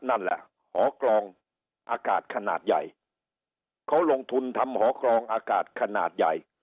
นั่นแหละหอกรองอากาศขนาดใหญ่เขาลงทุนทำหอกรองอากาศขนาดใหญ่